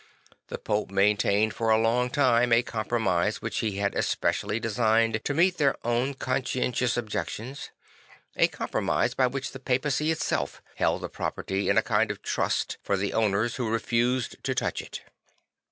The Pope maintained for a long time a compromise which he had specially designed to meet their own conscientious objections; a compromise by which the Papacy itself held the property in a kind of trust for the owners who refused to touch it.